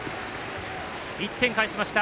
１点返しました。